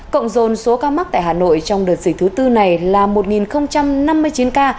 cộng dồn số ca mắc tại hà nội trong đợt dịch thứ tư này là một năm mươi chín ca